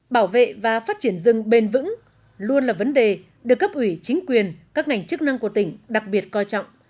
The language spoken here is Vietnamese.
bảo vệ và phát triển rừng bền vững luôn là vấn đề được cấp ủy chính quyền các ngành chức năng của tỉnh đặc biệt coi trọng